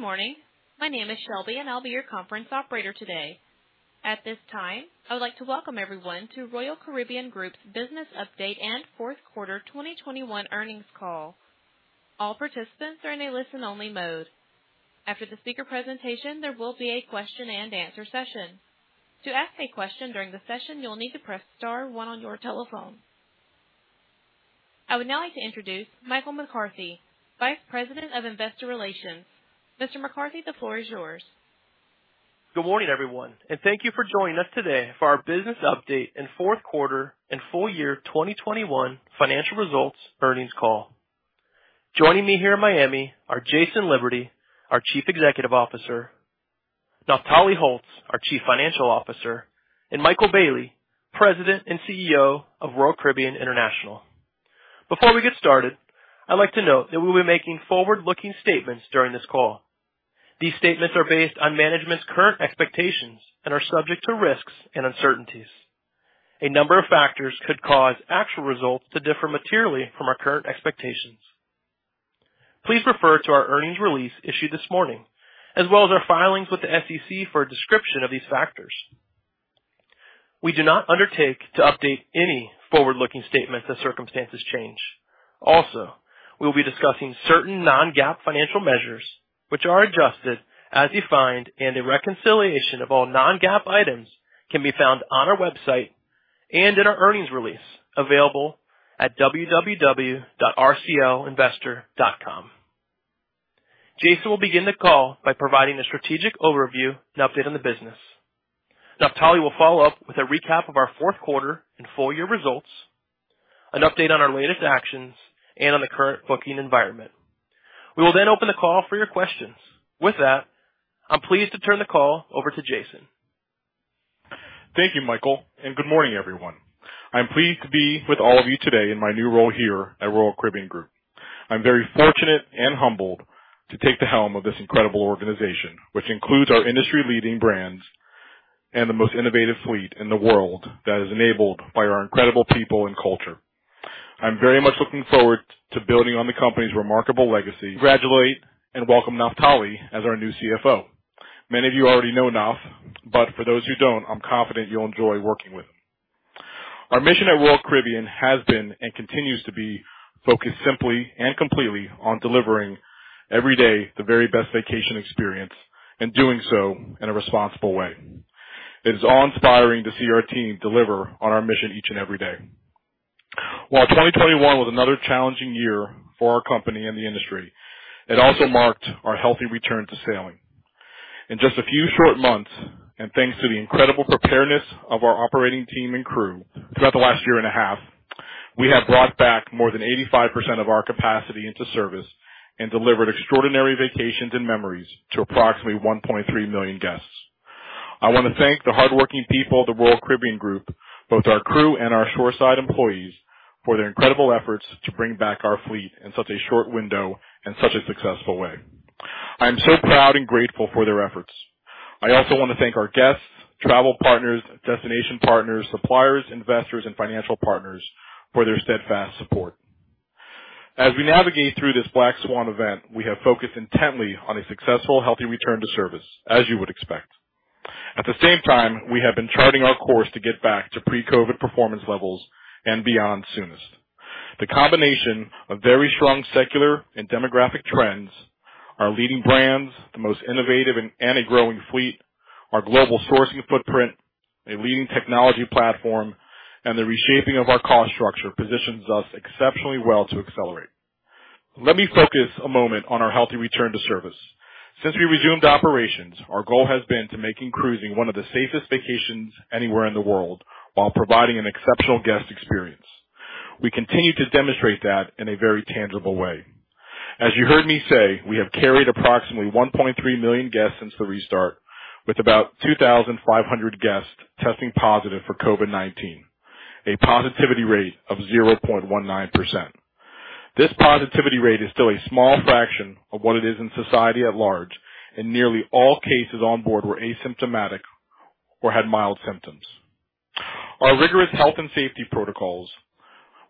Good morning. My name is Shelby, and I'll be your conference operator today. At this time, I would like to welcome everyone to Royal Caribbean Group's business update and fourth quarter 2021 earnings call. All participants are in a listen-only mode. After the speaker presentation, there will be a question and answer session. To ask a question during the session, you'll need to press Star one on your telephone. I would now like to introduce Michael McCarthy, Vice President of Investor Relations. Mr. McCarthy, the floor is yours. Good morning, everyone, and thank you for joining us today for our business update in fourth quarter and full year 2021 financial results earnings call. Joining me here in Miami are Jason Liberty, our Chief Executive Officer, Naftali Holtz, our Chief Financial Officer, and Michael Bayley, President and CEO of Royal Caribbean International. Before we get started, I'd like to note that we'll be making forward-looking statements during this call. These statements are based on management's current expectations and are subject to risks and uncertainties. A number of factors could cause actual results to differ materially from our current expectations. Please refer to our earnings release issued this morning, as well as our filings with the SEC for a description of these factors. We do not undertake to update any forward-looking statements as circumstances change. Also, we'll be discussing certain non-GAAP financial measures which are adjusted as defined, and a reconciliation of all non-GAAP items can be found on our website and in our earnings release available at www.rclinvestor.com. Jason will begin the call by providing a strategic overview and update on the business. Naftali will follow up with a recap of our fourth quarter and full year results, an update on our latest actions and on the current booking environment. We will then open the call for your questions. With that, I'm pleased to turn the call over to Jason. Thank you, Michael, and good morning, everyone. I'm pleased to be with all of you today in my new role here at Royal Caribbean Group. I'm very fortunate and humbled to take the helm of this incredible organization, which includes our industry-leading brands and the most innovative fleet in the world that is enabled by our incredible people and culture. I'm very much looking forward to building on the company's remarkable legacy. Congratulations and welcome Naftali as our new CFO. Many of you already know Naf, but for those who don't, I'm confident you'll enjoy working with him. Our mission at Royal Caribbean has been and continues to be focused simply and completely on delivering every day the very best vacation experience and doing so in a responsible way. It is awe-inspiring to see our team deliver on our mission each and every day. While 2021 was another challenging year for our company and the industry, it also marked our healthy return to sailing. In just a few short months, and thanks to the incredible preparedness of our operating team and crew throughout the last year and a half, we have brought back more than 85% of our capacity into service and delivered extraordinary vacations and memories to approximately 1.3 million guests. I wanna thank the hardworking people of the Royal Caribbean Group, both our crew and our shoreside employees, for their incredible efforts to bring back our fleet in such a short window in such a successful way. I am so proud and grateful for their efforts. I also wanna thank our guests, travel partners, destination partners, suppliers, investors and financial partners for their steadfast support. As we navigate through this black swan event, we have focused intently on a successful, healthy return to service, as you would expect. At the same time, we have been charting our course to get back to pre-COVID performance levels and beyond soonest. The combination of very strong secular and demographic trends, our leading brands, the most innovative and a growing fleet, our global sourcing footprint, a leading technology platform, and the reshaping of our cost structure positions us exceptionally well to accelerate. Let me focus a moment on our healthy return to service. Since we resumed operations, our goal has been to make cruising one of the safest vacations anywhere in the world while providing an exceptional guest experience. We continue to demonstrate that in a very tangible way. As you heard me say, we have carried approximately 1.3 million guests since the restart, with about 2,500 guests testing positive for COVID-19, a positivity rate of 0.19%. This positivity rate is still a small fraction of what it is in society at large, and nearly all cases on board were asymptomatic or had mild symptoms. Our rigorous health and safety protocols,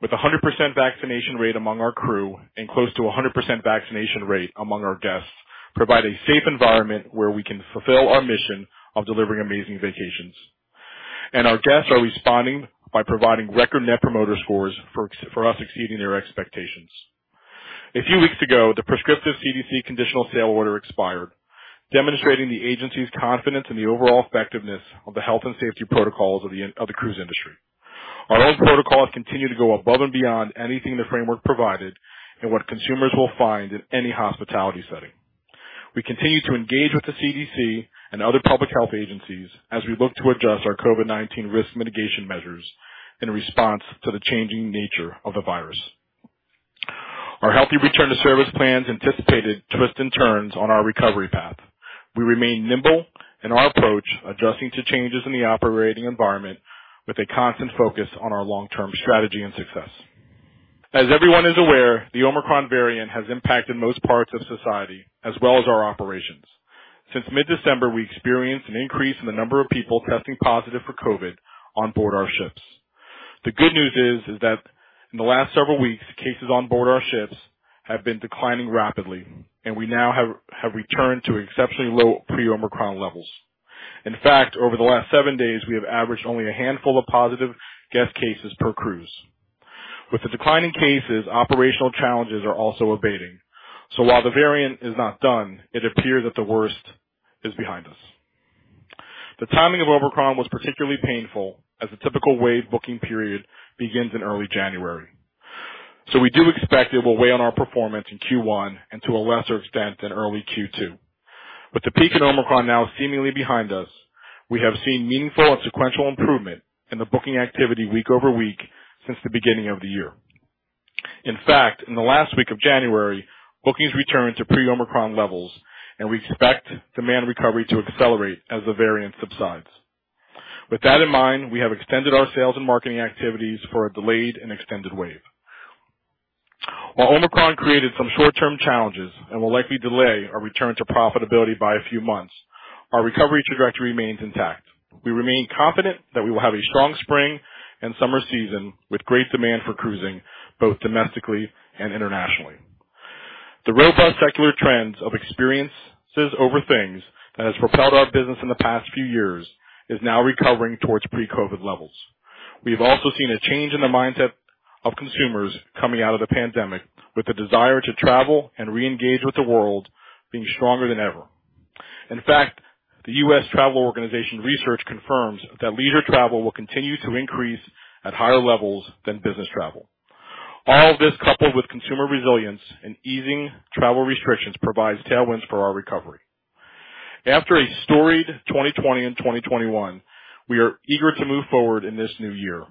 with a 100% vaccination rate among our crew and close to a 100% vaccination rate among our guests, provide a safe environment where we can fulfill our mission of delivering amazing vacations. Our guests are responding by providing record Net Promoter Scores for us, exceeding their expectations. A few weeks ago, the prescriptive CDC Conditional Sailing Order expired, demonstrating the agency's confidence in the overall effectiveness of the health and safety protocols of the cruise industry. Our own protocols continue to go above and beyond anything the framework provided and what consumers will find in any hospitality setting. We continue to engage with the CDC and other public health agencies as we look to adjust our COVID-19 risk mitigation measures in response to the changing nature of the virus. Our healthy return to service plans anticipated twists and turns on our recovery path. We remain nimble in our approach, adjusting to changes in the operating environment with a constant focus on our long-term strategy and success. As everyone is aware, the Omicron variant has impacted most parts of society as well as our operations. Since mid-December, we experienced an increase in the number of people testing positive for COVID on board our ships. The good news is that in the last several weeks, cases on board our ships have been declining rapidly, and we now have returned to exceptionally low pre-Omicron levels. In fact, over the last seven days, we have averaged only a handful of positive guest cases per cruise. With the decline in cases, operational challenges are also abating. While the variant is not done, it appears that the worst is behind us. The timing of Omicron was particularly painful as the typical wave booking period begins in early January. We do expect it will weigh on our performance in Q1 and to a lesser extent in early Q2. With the peak in Omicron now seemingly behind us, we have seen meaningful and sequential improvement in the booking activity week over week since the beginning of the year. In fact, in the last week of January, bookings returned to pre-Omicron levels, and we expect demand recovery to accelerate as the variant subsides. With that in mind, we have extended our sales and marketing activities for a delayed and extended wave. While Omicron created some short-term challenges and will likely delay our return to profitability by a few months, our recovery trajectory remains intact. We remain confident that we will have a strong spring and summer season with great demand for cruising both domestically and internationally. The robust secular trends of experiences over things that has propelled our business in the past few years is now recovering towards pre-COVID levels. We have also seen a change in the mindset of consumers coming out of the pandemic, with the desire to travel and re-engage with the world being stronger than ever. In fact, the U.S. Travel Association research confirms that leisure travel will continue to increase at higher levels than business travel. All this coupled with consumer resilience and easing travel restrictions provides tailwinds for our recovery. After a storied 2020 and 2021, we are eager to move forward in this new year.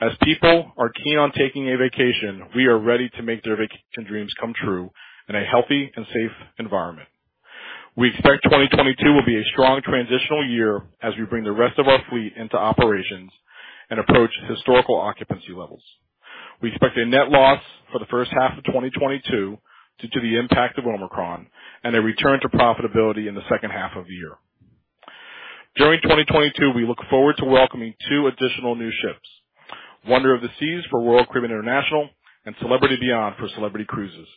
As people are keen on taking a vacation, we are ready to make their vacation dreams come true in a healthy and safe environment. We expect 2022 will be a strong transitional year as we bring the rest of our fleet into operations and approach historical occupancy levels. We expect a net loss for the first half of 2022 due to the impact of Omicron and a return to profitability in the second half of the year. During 2022, we look forward to welcoming two additional new ships, Wonder of the Seas for Royal Caribbean International and Celebrity Beyond for Celebrity Cruises.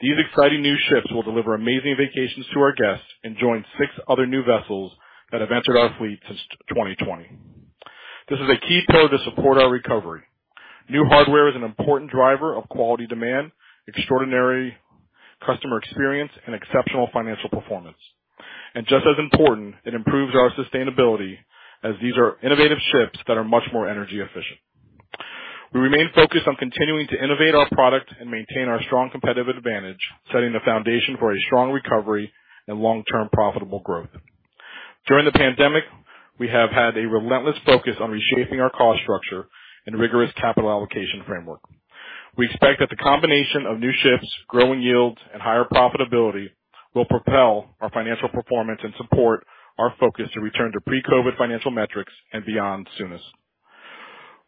These exciting new ships will deliver amazing vacations to our guests and join six other new vessels that have entered our fleet since 2020. This is a key pillar to support our recovery. New hardware is an important driver of quality demand, extraordinary customer experience, and exceptional financial performance. Just as important, it improves our sustainability as these are innovative ships that are much more energy efficient. We remain focused on continuing to innovate our product and maintain our strong competitive advantage, setting the foundation for a strong recovery and long-term profitable growth. During the pandemic, we have had a relentless focus on reshaping our cost structure and rigorous capital allocation framework. We expect that the combination of new ships, growing yields and higher profitability will propel our financial performance and support our focus to return to pre-COVID financial metrics and beyond soonest.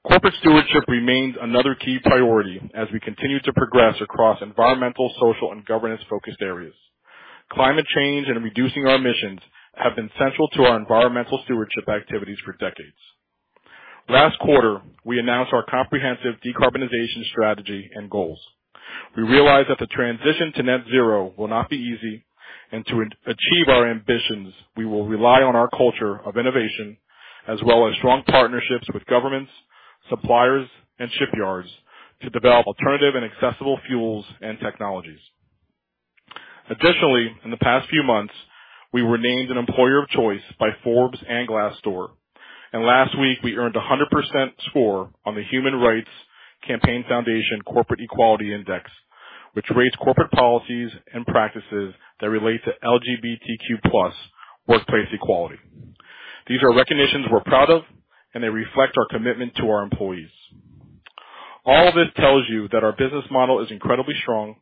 Corporate stewardship remains another key priority as we continue to progress across environmental, social, and governance-focused areas. Climate change and reducing our emissions have been central to our environmental stewardship activities for decades. Last quarter, we announced our comprehensive decarbonization strategy and goals. We realize that the transition to net zero will not be easy, and to achieve our ambitions, we will rely on our culture of innovation as well as strong partnerships with governments, suppliers, and shipyards to develop alternative and accessible fuels and technologies. Additionally, in the past few months, we were named an employer of choice by Forbes and Glassdoor. Last week we earned a 100% score on the Human Rights Campaign Foundation Corporate Equality Index, which rates corporate policies and practices that relate to LGBTQ+ workplace equality. These are recognitions we're proud of, and they reflect our commitment to our employees. All this tells you that our business model is incredibly strong,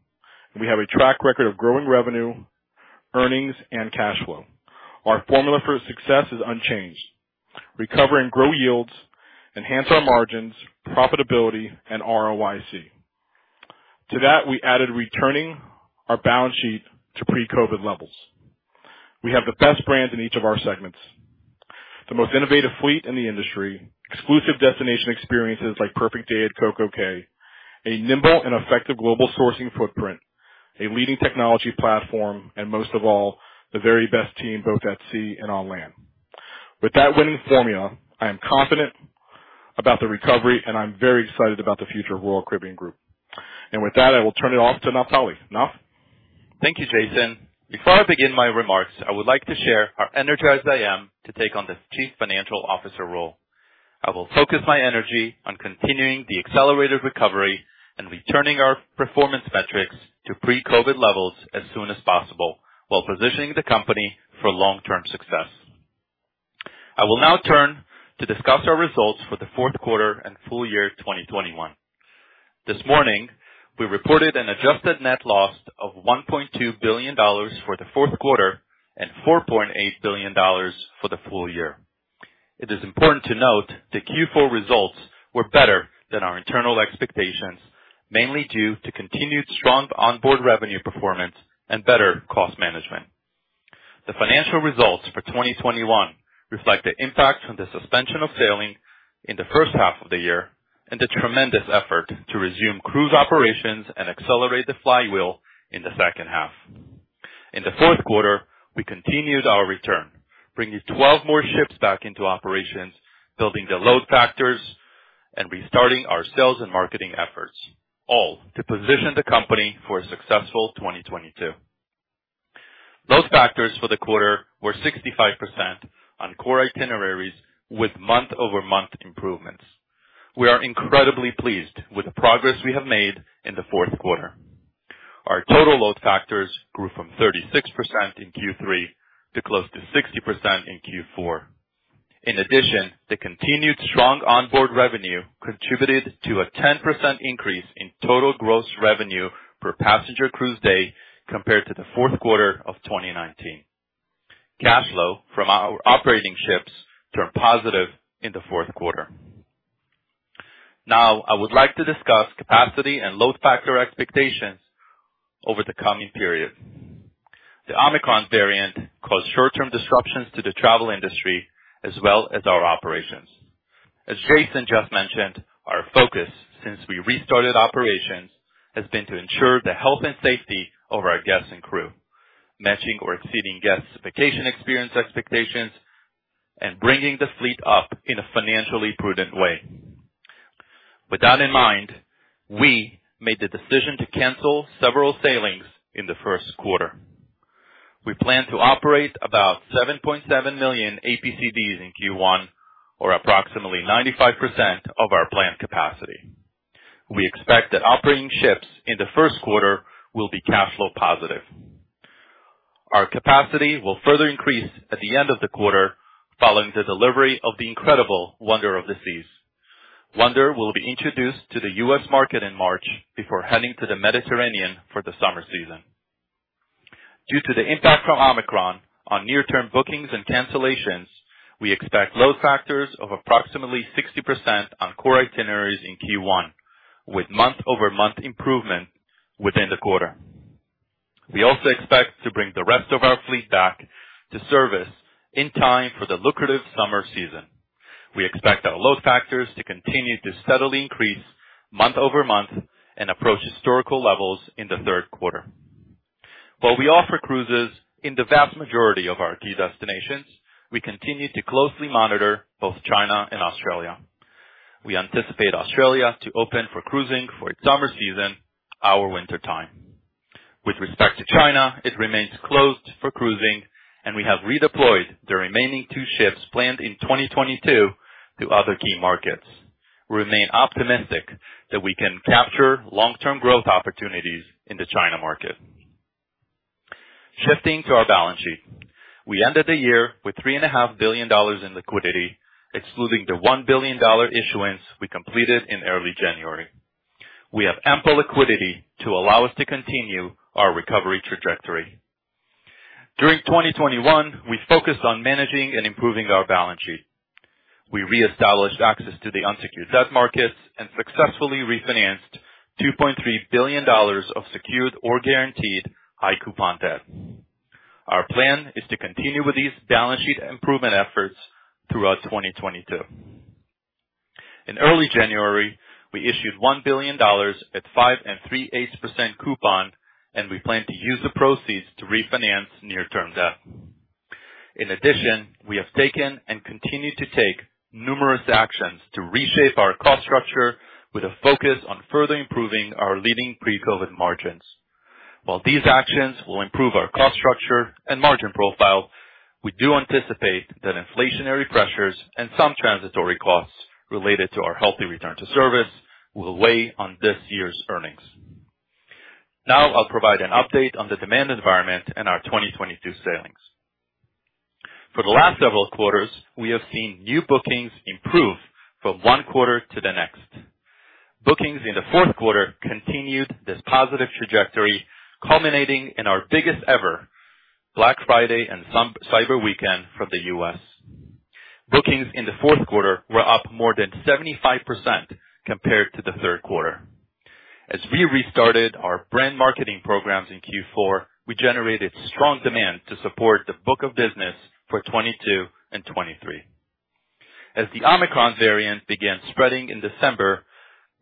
and we have a track record of growing revenue, earnings, and cash flow. Our formula for success is unchanged. Recover and grow yields, enhance our margins, profitability and ROIC. To that, we added returning our balance sheet to pre-COVID levels. We have the best brand in each of our segments. The most innovative fleet in the industry, exclusive destination experiences like Perfect Day at CocoCay, a nimble and effective global sourcing footprint, a leading technology platform, and most of all, the very best team, both at sea and on land. With that winning formula, I am confident about the recovery, and I'm very excited about the future of Royal Caribbean Group. With that, I will turn it over to Naftali. Nat? Thank you, Jason. Before I begin my remarks, I would like to share how energized I am to take on this Chief Financial Officer role. I will focus my energy on continuing the accelerated recovery and returning our performance metrics to pre-COVID levels as soon as possible while positioning the company for long-term success. I will now turn to discuss our results for the fourth quarter and full year 2021. This morning, we reported an adjusted net loss of $1.2 billion for the fourth quarter and $4.8 billion for the full year. It is important to note that Q4 results were better than our internal expectations, mainly due to continued strong onboard revenue performance and better cost management. The financial results for 2021 reflect the impact from the suspension of sailing in the first half of the year and the tremendous effort to resume cruise operations and accelerate the flywheel in the second half. In the fourth quarter, we continued our return, bringing 12 more ships back into operations, building the load factors, and restarting our sales and marketing efforts, all to position the company for a successful 2022. Load factors for the quarter were 65% on core itineraries with month-over-month improvements. We are incredibly pleased with the progress we have made in the fourth quarter. Our total load factors grew from 36% in Q3 to close to 60% in Q4. In addition, the continued strong onboard revenue contributed to a 10% increase in total gross revenue per passenger cruise day compared to the fourth quarter of 2019. Cash flow from our operating ships turned positive in the fourth quarter. Now I would like to discuss capacity and load factor expectations over the coming period. The Omicron variant caused short-term disruptions to the travel industry as well as our operations. As Jason just mentioned, our focus since we restarted operations has been to ensure the health and safety of our guests and crew, matching or exceeding guests vacation experience expectations, and bringing the fleet up in a financially prudent way. With that in mind, we made the decision to cancel several sailings in the first quarter. We plan to operate about 7.7 million APCDs in Q1 or approximately 95% of our planned capacity. We expect that operating ships in the first quarter will be cash flow positive. Our capacity will further increase at the end of the quarter following the delivery of the incredible Wonder of the Seas. Wonder will be introduced to the U.S. market in March before heading to the Mediterranean for the summer season. Due to the impact from Omicron on near-term bookings and cancellations, we expect load factors of approximately 60% on core itineraries in Q1 with month-over-month improvement within the quarter. We also expect to bring the rest of our fleet back to service in time for the lucrative summer season. We expect our load factors to continue to steadily increase month-over-month and approach historical levels in the third quarter. While we offer cruises in the vast majority of our key destinations, we continue to closely monitor both China and Australia. We anticipate Australia to open for cruising for its summer season, our wintertime. With respect to China, it remains closed for cruising and we have redeployed the remaining two ships planned in 2022 to other key markets. We remain optimistic that we can capture long-term growth opportunities in the China market. Shifting to our balance sheet. We ended the year with $3.5 billion in liquidity, excluding the $1 billion issuance we completed in early January. We have ample liquidity to allow us to continue our recovery trajectory. During 2021, we focused on managing and improving our balance sheet. We reestablished access to the unsecured debt markets and successfully refinanced $2.3 billion of secured or guaranteed high coupon debt. Our plan is to continue with these balance sheet improvement efforts throughout 2022. In early January, we issued $1 billion at 5 3/8% coupon, and we plan to use the proceeds to refinance near-term debt. In addition, we have taken and continue to take numerous actions to reshape our cost structure with a focus on further improving our leading pre-COVID margins. While these actions will improve our cost structure and margin profile, we do anticipate that inflationary pressures and some transitory costs related to our healthy return to service will weigh on this year's earnings. Now I'll provide an update on the demand environment and our 2022 sailings. For the last several quarters, we have seen new bookings improve from one quarter to the next. Bookings in the fourth quarter continued this positive trajectory, culminating in our biggest ever Black Friday and Cyber Weekend for the U.S. Bookings in the fourth quarter were up more than 75% compared to the third quarter. As we restarted our brand marketing programs in Q4, we generated strong demand to support the book of business for 2022 and 2023. As the Omicron variant began spreading in December,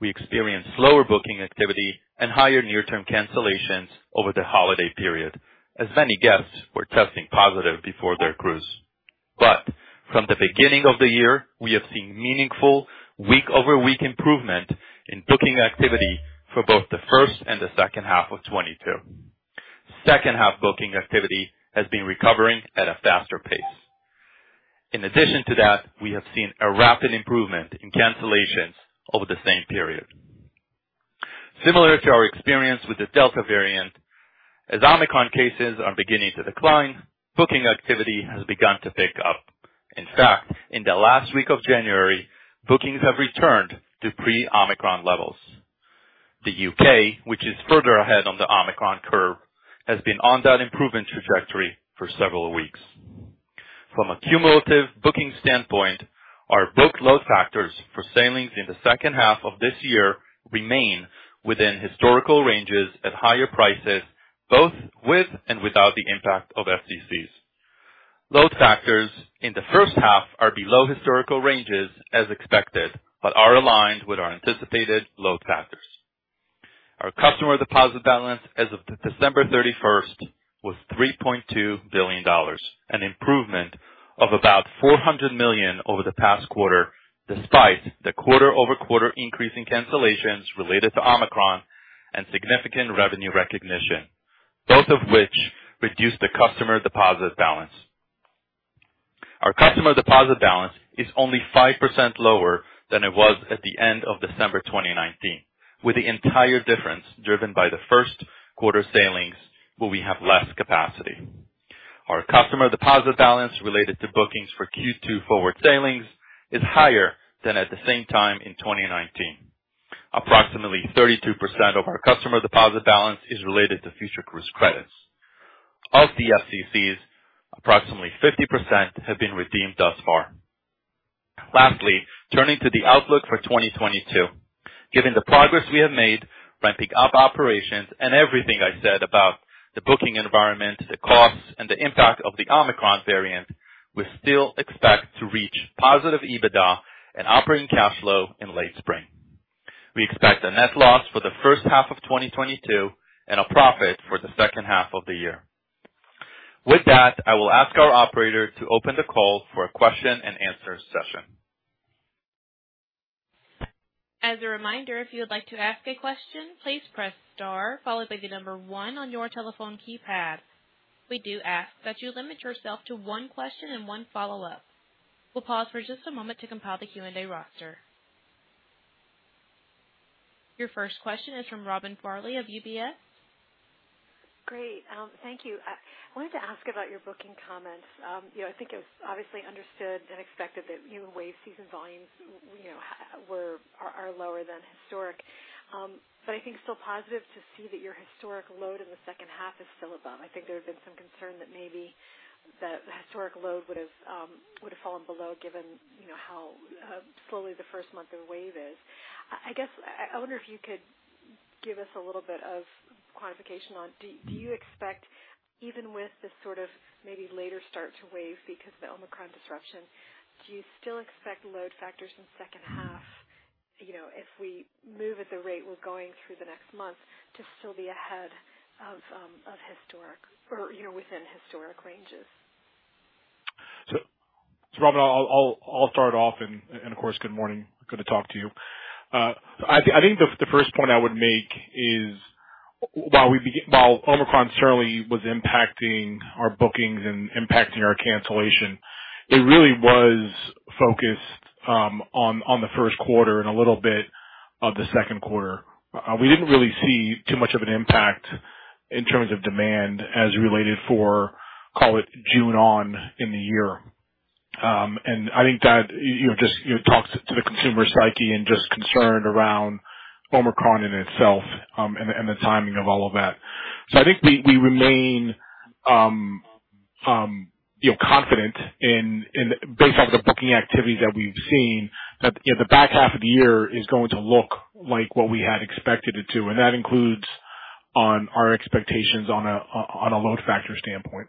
we experienced slower booking activity and higher near-term cancellations over the holiday period as many guests were testing positive before their cruise. From the beginning of the year, we have seen meaningful week-over-week improvement in booking activity for both the first and the second half of 2022. Second-half booking activity has been recovering at a faster pace. In addition to that, we have seen a rapid improvement in cancellations over the same period. Similar to our experience with the Delta variant, as Omicron cases are beginning to decline, booking activity has begun to pick up. In fact, in the last week of January, bookings have returned to pre-Omicron levels. The U.K., which is further ahead on the Omicron curve, has been on that improvement trajectory for several weeks. From a cumulative booking standpoint, our booked load factors for sailings in the second half of this year remain within historical ranges at higher prices, both with and without the impact of FCCs. Load factors in the first half are below historical ranges as expected, but are aligned with our anticipated load factors. Our customer deposit balance as of December 31 was $3.2 billion, an improvement of about $400 million over the past quarter, despite the quarter-over-quarter increase in cancellations related to Omicron and significant revenue recognition, both of which reduced the customer deposit balance. Our customer deposit balance is only 5% lower than it was at the end of December 2019, with the entire difference driven by the first quarter sailings where we have less capacity. Our customer deposit balance related to bookings for Q2 forward sailings is higher than at the same time in 2019. Approximately 32% of our customer deposit balance is related to future cruise credits. Of the FCCs, approximately 50% have been redeemed thus far. Lastly, turning to the outlook for 2022. Given the progress we have made ramping up operations and everything I said about the booking environment, the costs, and the impact of the Omicron variant, we still expect to reach positive EBITDA and operating cash flow in late spring. We expect a net loss for the first half of 2022 and a profit for the second half of the year. With that, I will ask our operator to open the call for a question-and-answer session. As a reminder, if you would like to ask a question, please press Star followed by the number one on your telephone keypad. We do ask that you limit yourself to one question and one follow-up. We'll pause for just a moment to compile the Q&A roster. Your first question is from Robin Farley of UBS. Great. Thank you. I wanted to ask about your booking comments. You know, I think it was obviously understood and expected that wave season volumes, you know, are lower than historic. But I think still positive to see that your historic load in the second half is still above. I think there had been some concern that maybe the historic load would have fallen below, given, you know, how slowly the first month of wave is. I guess I wonder if you could give us a little bit of quantification on, do you expect, even with this sort of maybe later start to wave season because of the Omicron disruption, do you still expect load factors in the second half, you know, if we move at the rate we're going through the next month to still be ahead of historic or, you know, within historic ranges? Robin, I'll start off and of course, good morning. Good to talk to you. I think the first point I would make is while Omicron certainly was impacting our bookings and impacting our cancellations, it really was focused on the first quarter and a little bit of the second quarter. We didn't really see too much of an impact in terms of demand as related to, call it June onward in the year. I think that you know just talks to the consumer psyche and just concern around Omicron in itself, and the timing of all of that. I think we remain, you know, confident based off the booking activities that we've seen, that, you know, the back half of the year is going to look like what we had expected it to, and that includes on our expectations on a load factor standpoint.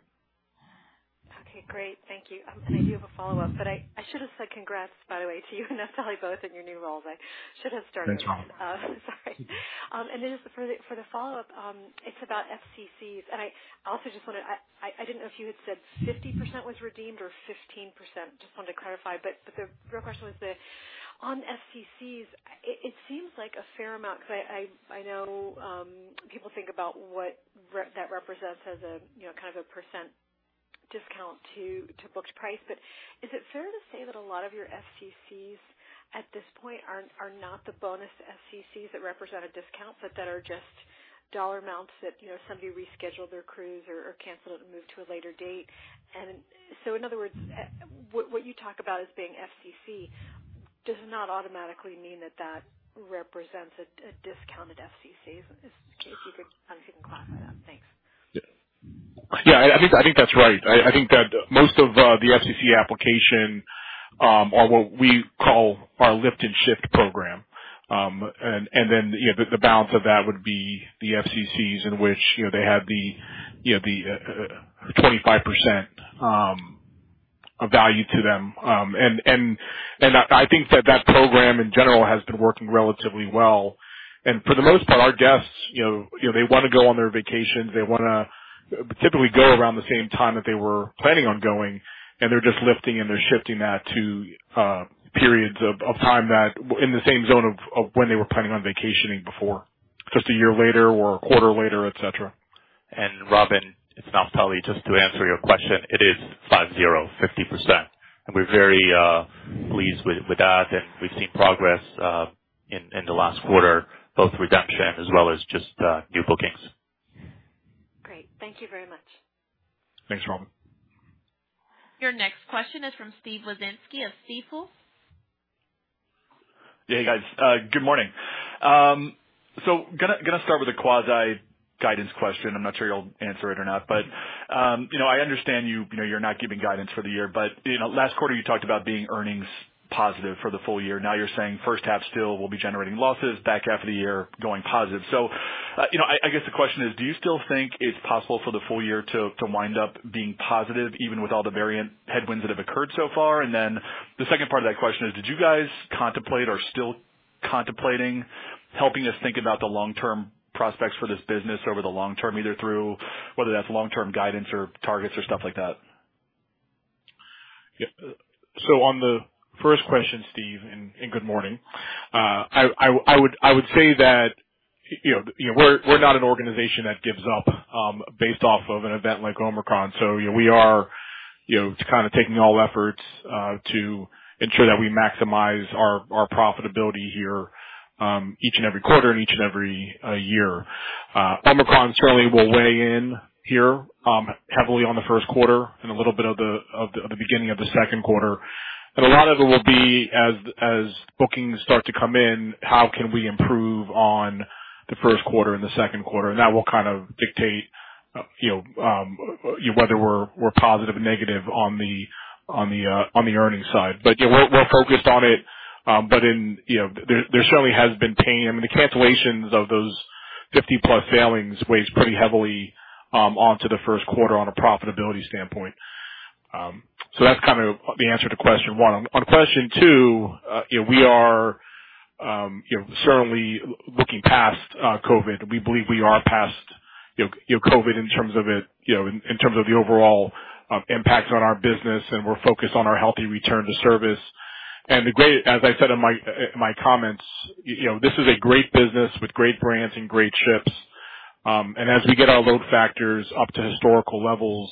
Okay, great. Thank you. I do have a follow-up, but I should have said congrats, by the way, to you and Naftali both in your new roles. I should have started with that. Sorry. Then just for the follow-up, it's about FCCs. I also just wanted. I didn't know if you had said 50% was redeemed or 15%, just wanted to clarify. The real question was the one on FCCs. It seems like a fair amount because I know people think about what that represents as a, you know, kind of a % discount to booked price. Is it fair to say that a lot of your FCCs at this point are not the bonus FCCs that represent a discount, but that are just dollar amounts that, you know, somebody rescheduled their cruise or canceled it and moved to a later date. In other words, what you talk about as being FCC does not automatically mean that that represents a discounted FCC, if you could clarify that. Thanks. Yeah. I think that's right. I think that most of the FCC application are what we call our lift and shift program. Then, you know, the balance of that would be the FCCs in which, you know, they have the 25% value to them. I think that that program in general has been working relatively well. For the most part, our guests, you know, they wanna go on their vacations. They wanna typically go around the same time that they were planning on going, and they're just lifting and they're shifting that to periods of time that in the same zone of when they were planning on vacationing before. Just a year later or a quarter later, et cetera. Robin, it's Naftali. Just to answer your question, it is 50.5%. We're very pleased with that. We've seen progress in the last quarter, both redemption as well as just new bookings. Thank you very much. Thanks, Robin. Your next question is from Steven Wieczynski of Stifel. Yeah, guys. Good morning. Gonna start with a quasi-guidance question. I'm not sure you'll answer it or not, but you know, I understand you know you're not giving guidance for the year. You know, last quarter you talked about being earnings positive for the full year. Now you're saying first half still will be generating losses, back half of the year going positive. You know, I guess the question is, do you still think it's possible for the full year to wind up being positive even with all the variant headwinds that have occurred so far? And then the second part of that question is, did you guys contemplate or still contemplating helping us think about the long-term prospects for this business over the long term, either through whether that's long-term guidance or targets or stuff like that? Yeah. On the first question, Steve, and good morning. I would say that you know, we're not an organization that gives up based off of an event like Omicron. You know, we are you know kind of taking all efforts to ensure that we maximize our profitability here each and every quarter and each and every year. Omicron certainly will weigh in here heavily on the first quarter and a little bit of the beginning of the second quarter. A lot of it will be as bookings start to come in, how can we improve on the first quarter and the second quarter? That will kind of dictate, you know, whether we're positive or negative on the earnings side. You know, we're focused on it. You know, there certainly has been pain. I mean, the cancellations of those 50-plus sailings weighs pretty heavily onto the first quarter on a profitability standpoint. That's kind of the answer to question one. On question two, you know, we are certainly looking past COVID. We believe we are past COVID in terms of it, you know, in terms of the overall impact on our business, and we're focused on our healthy return to service. As I said in my comments, you know, this is a great business with great brands and great ships. As we get our load factors up to historical levels,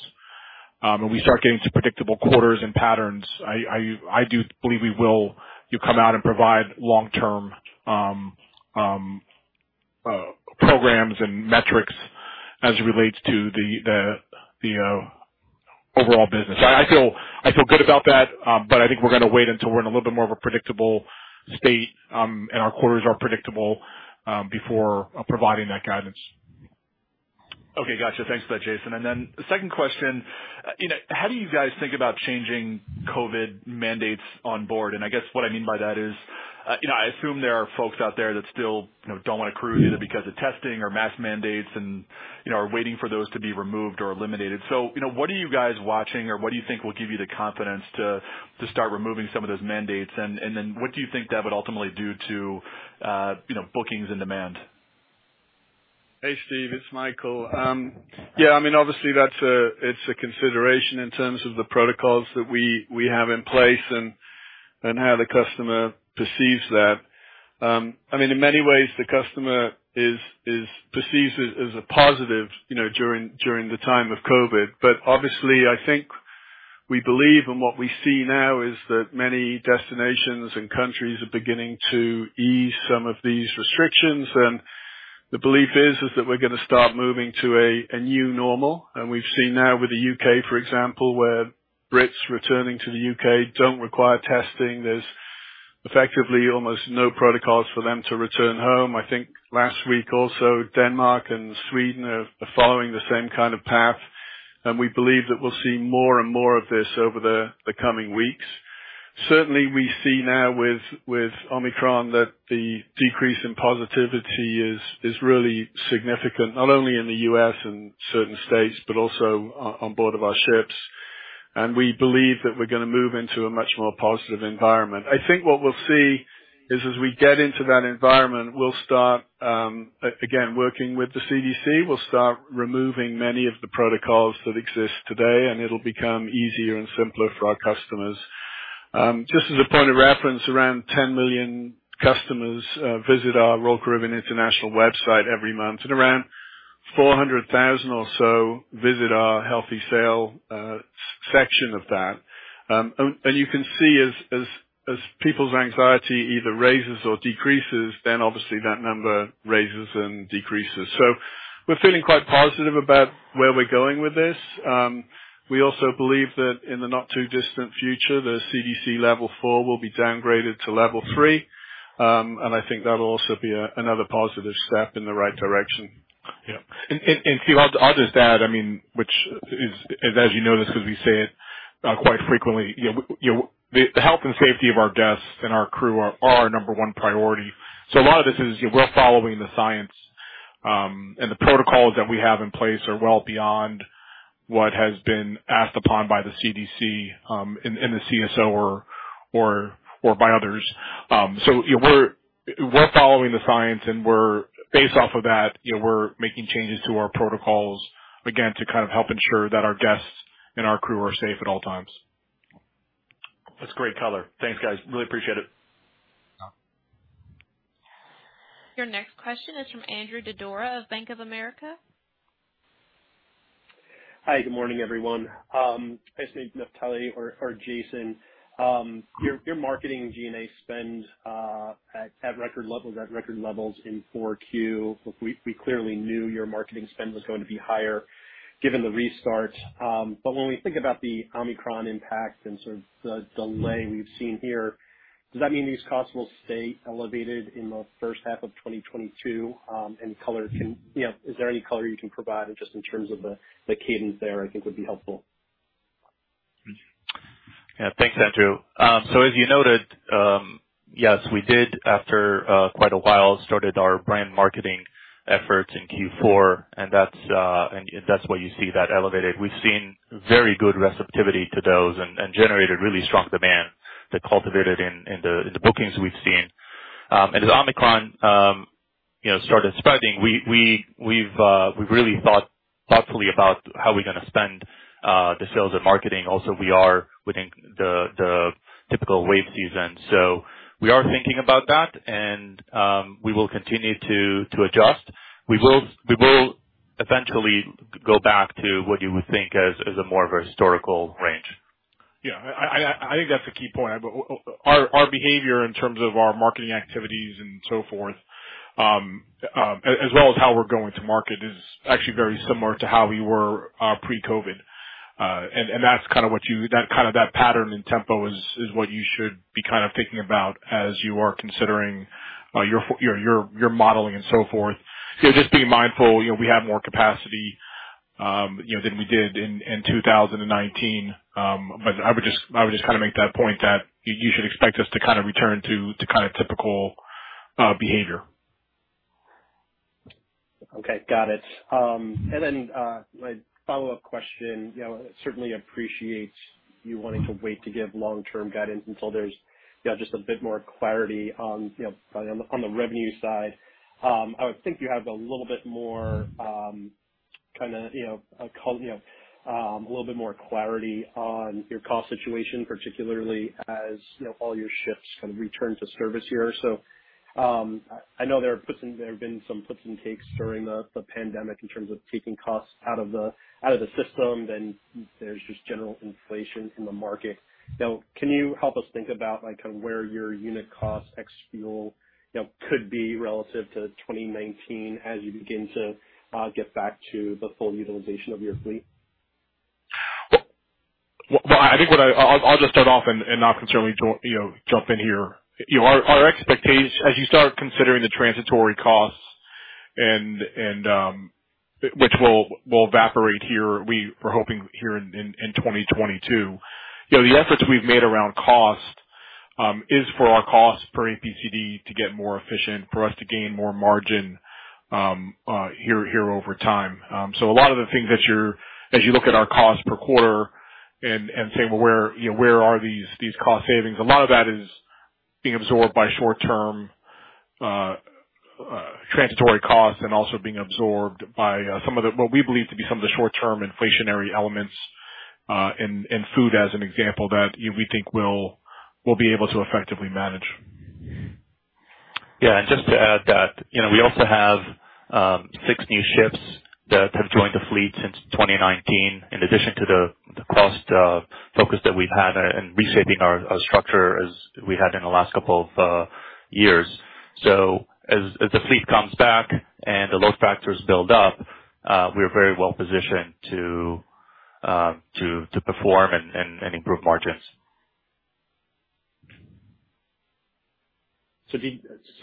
and we start getting to predictable quarters and patterns, I do believe we will, you know, come out and provide long-term programs and metrics as it relates to the overall business. I feel good about that, but I think we're gonna wait until we're in a little bit more of a predictable state, and our quarters are predictable, before providing that guidance. Okay. Gotcha. Thanks for that, Jason. The second question. You know, how do you guys think about changing COVID mandates on board? I guess what I mean by that is, you know, I assume there are folks out there that still, you know, don't want to cruise either because of testing or mask mandates and, you know, are waiting for those to be removed or eliminated. You know, what are you guys watching, or what do you think will give you the confidence to start removing some of those mandates? What do you think that would ultimately do to, you know, bookings and demand? Hey, Steve. It's Michael. Yeah, I mean, obviously that's a consideration in terms of the protocols that we have in place and how the customer perceives that. I mean, in many ways, the customer perceives it as a positive, you know, during the time of COVID. Obviously, I think we believe and what we see now is that many destinations and countries are beginning to ease some of these restrictions. The belief is that we're gonna start moving to a new normal. We've seen now with the U.K., for example, where Brits returning to the U.K. don't require testing. There's effectively almost no protocols for them to return home. I think last week also, Denmark and Sweden are following the same kind of path. We believe that we'll see more and more of this over the coming weeks. Certainly we see now with Omicron that the decrease in positivity is really significant, not only in the U.S. and certain states, but also on board of our ships. We believe that we're gonna move into a much more positive environment. I think what we'll see is as we get into that environment, we'll start again, working with the CDC. We'll start removing many of the protocols that exist today, and it'll become easier and simpler for our customers. Just as a point of reference, around 10 million customers visit our Royal Caribbean International website every month, and around 400,000 or so visit our Healthy Sail Section of that. You can see as people's anxiety either rises or decreases, then obviously that number rises and decreases. We're feeling quite positive about where we're going with this. We also believe that in the not too distant future, the CDC level four will be downgraded to level three. I think that'll also be another positive step in the right direction. Steve, I'll just add, I mean, which is as you know this because we say it quite frequently. You know, the health and safety of our guests and our crew are our number one priority. A lot of this is we're following the science, and the protocols that we have in place are well beyond what has been asked upon by the CDC, and the CSO or by others. You know, we're following the science and based off of that, we're making changes to our protocols, again, to kind of help ensure that our guests and our crew are safe at all times. That's great color. Thanks, guys. Really appreciate it. Your next question is from Andrew Didora of Bank of America. Hi, good morning, everyone. This is Naftali or Jason. Your marketing G&A spend at record levels in Q4. Look, we clearly knew your marketing spend was going to be higher given the restart. But when we think about the Omicron impact and sort of the delay we've seen here, does that mean these costs will stay elevated in the first half of 2022? You know, is there any color you can provide just in terms of the cadence there? I think would be helpful. Yeah. Thanks, Andrew. As you noted, yes, we did after quite a while started our brand marketing efforts in Q4, and that's why you see that elevated. We've seen very good receptivity to those and generated really strong demand that culminated in the bookings we've seen. As Omicron you know started spreading, we've really thought thoughtfully about how we're gonna spend the sales and marketing. Also, we are within the typical wave season. We are thinking about that and we will continue to adjust. We will eventually go back to what you would think as a more of a historical range. Yeah. I think that's a key point. Our behavior in terms of our marketing activities and so forth, as well as how we're going to market is actually very similar to how we were pre-COVID. That kind of pattern and tempo is what you should be kind of thinking about as you are considering your modeling and so forth. Just be mindful, you know, we have more capacity, you know, than we did in 2019. I would just kinda make that point that you should expect us to kinda return to kind of typical behavior. Okay. Got it. My follow-up question. You know, certainly appreciate you wanting to wait to give long-term guidance until there's you know just a bit more clarity on you know on the revenue side. I would think you have a little bit more clarity on your cost situation, particularly as you know all your ships kind of return to service here. I know there have been some puts and takes during the pandemic in terms of taking costs out of the system, then there's just general inflation in the market. Now, can you help us think about, like, kind of where your unit cost ex fuel, you know, could be relative to 2019 as you begin to get back to the full utilization of your fleet? Well, I think I'll just start off and Nav can certainly too, you know, jump in here. You know, as you start considering the transitory costs and which will evaporate here, we were hoping here in 2022. You know, the efforts we've made around cost is for our cost per APCD to get more efficient, for us to gain more margin here over time. So a lot of the things that you're As you look at our cost per quarter and saying, "Well, where you know are these cost savings?" A lot of that is being absorbed by short-term transitory costs, and also being absorbed by some of the what we believe to be some of the short-term inflationary elements in food as an example that we think we'll be able to effectively manage. Just to add that, you know, we also have six new ships that have joined the fleet since 2019, in addition to the cost focus that we've had and reshaping our structure as we had in the last couple of years. As the fleet comes back and the load factors build up, we are very well positioned to perform and improve margins.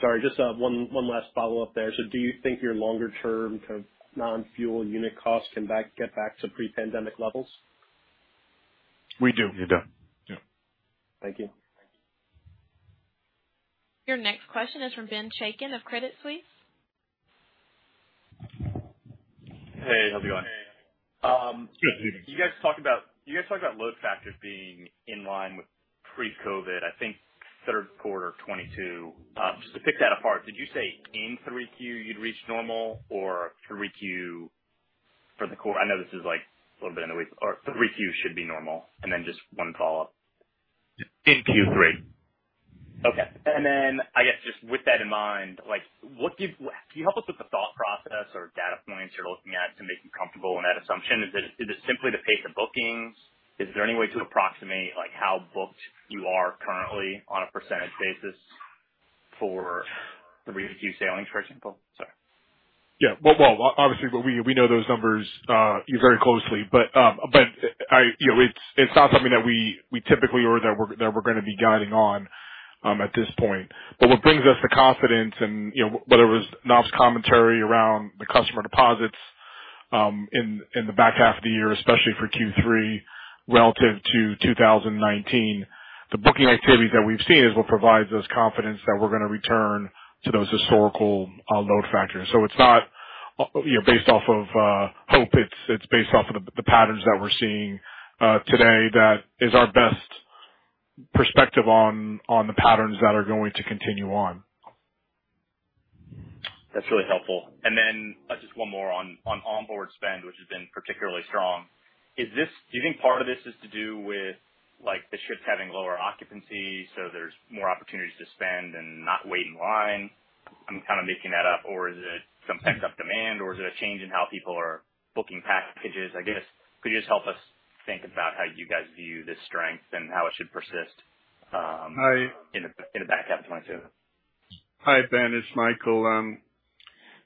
Sorry, just one last follow-up there. Do you think your longer term kind of non-fuel unit costs can get back to pre-pandemic levels? We do. We do. Yeah. Thank you. Your next question is from Benjamin Chaiken of Credit Suisse. Hey, how's it going? Good. You guys talked about load factors being in line with pre-COVID, I think third quarter 2022. Just to pick that apart, did you say in 3Q you'd reach normal? I know this is, like, a little bit in the way or 3Q should be normal. Just one follow-up. In Q3. Okay. I guess just with that in mind, like, can you help us with the thought process or data points you're looking at to make you comfortable in that assumption? Is it, is it simply the pace of bookings? Is there any way to approximate, like, how booked you are currently on a percentage basis for the 3Q sailings, for example? Sorry. Yeah. Well, obviously we know those numbers very closely. I, you know, it's not something that we typically or that we're gonna be guiding on at this point. What brings us the confidence and, you know, whether it was Nav's commentary around the customer deposits in the back half of the year, especially for Q3 relative to 2019. The booking activities that we've seen is what provides us confidence that we're gonna return to those historical load factors. It's not, you know, based off of hope. It's based off of the patterns that we're seeing today that is our best perspective on the patterns that are going to continue on. That's really helpful. Just one more on onboard spend, which has been particularly strong. Do you think part of this is to do with, like, the ships having lower occupancy, so there's more opportunities to spend and not wait in line? I'm kinda making that up. Or is it some pent-up demand? Or is it a change in how people are booking packages? I guess, could you just help us think about how you guys view this strength and how it should persist. I- in the back half of 2022? Hi, Ben. It's Michael.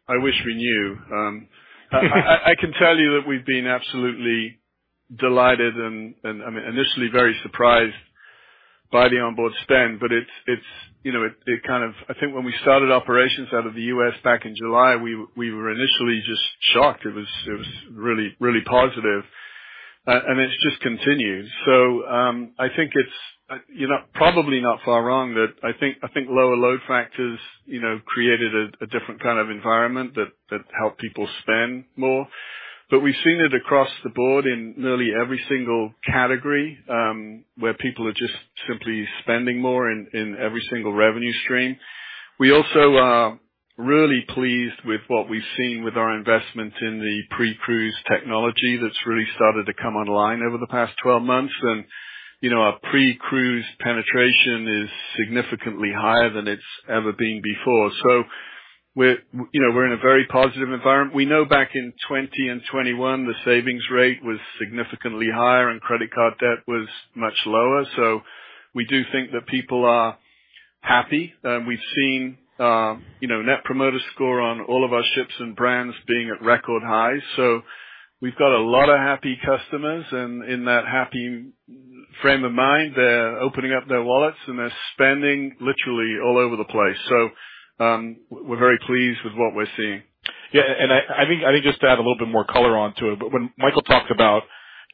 I wish we knew. I can tell you that we've been absolutely delighted and initially very surprised by the onboard spend, but it's you know it I think when we started operations out of the U.S. back in July, we were initially just shocked. It was really positive. It's just continued. I think it's, you're probably not far wrong that I think lower load factors, you know, created a different kind of environment that helped people spend more. But we've seen it across the board in nearly every single category, where people are just simply spending more in every single revenue stream. We also are really pleased with what we've seen with our investment in the pre-cruise technology that's really started to come online over the past 12 months. you know, our pre-cruise penetration is significantly higher than it's ever been before. you know, we're in a very positive environment. We know back in 2020 and 2021, the savings rate was significantly higher and credit card debt was much lower. we do think that people are happy. we've seen, you know, Net Promoter Score on all of our ships and brands being at record highs. we've got a lot of happy customers. in that happy frame of mind, they're opening up their wallets, and they're spending literally all over the place. we're very pleased with what we're seeing. Yeah. I think just to add a little bit more color onto it, but when Michael talked about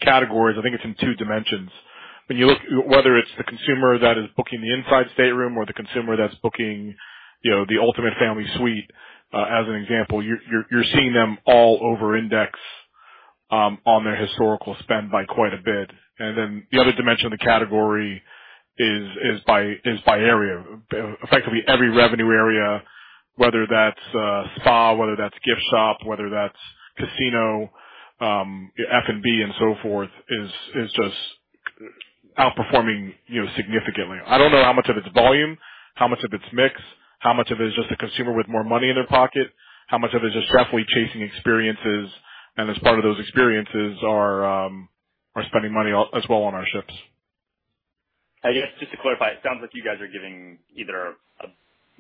categories, I think it's in two dimensions. When you look whether it's the consumer that is booking the inside stateroom or the consumer that's booking, you know, the ultimate family suite, as an example, you're seeing them all overindex on their historical spend by quite a bit. Then the other dimension of the category is by area. Effectively every revenue area, whether that's a spa, whether that's gift shop, whether that's casino, F&B and so forth, is just outperforming, you know, significantly. I don't know how much of it's volume, how much of it's mix, how much of it is just a consumer with more money in their pocket, how much of it is just desperately chasing experiences, and as part of those experiences are spending money as well on our ships. I guess, just to clarify, it sounds like you guys are giving either a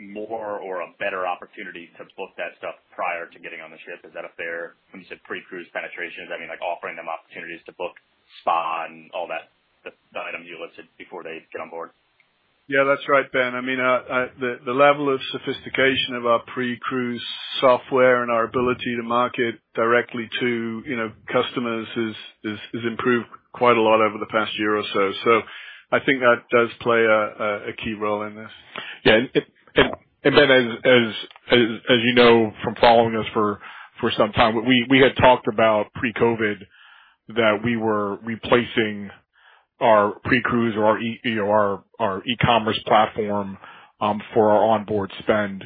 more or a better opportunity to book that stuff prior to getting on the ship. When you said pre-cruise penetrations, I mean, like offering them opportunities to book spa and all that, the items you listed before they get on board. Yeah. That's right, Ben. I mean, the level of sophistication of our pre-cruise software and our ability to market directly to, you know, customers has improved quite a lot over the past year or so. I think that does play a key role in this. Yeah. Ben, as you know from following us for some time, we had talked about pre-COVID that we were replacing our pre-cruise or our e-commerce platform for our onboard spend,